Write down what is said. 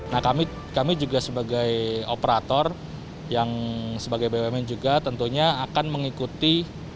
nah kami juga sebagai operator yang sebagai bumn juga tentunya akan mengikuti